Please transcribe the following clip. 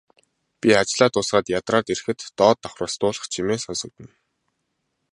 Би ажлаа дуусгаад ядраад ирэхэд доод давхраас дуулах чимээ сонсогдоно.